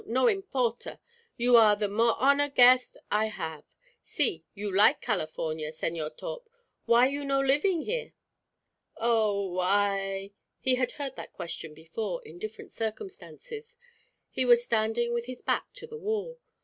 no importa_. You are the more honour guest I have. Si you like California, Señor Torp, why you no living here?" "Oh I " He had heard that question before, in different circumstances. He was standing with his back to the wall.